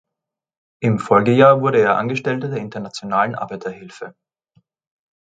Im Folgejahr wurde er Angestellter der Internationalen Arbeiterhilfe.